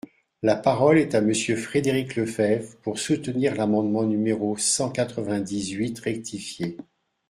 La parole est à Monsieur Frédéric Lefebvre, pour soutenir l’amendement numéro cent quatre-vingt-dix-huit rectifié.